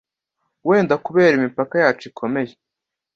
wenda kubera imipaka yacu ikomeye